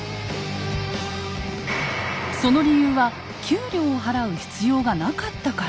その理由は給料を払う必要がなかったから。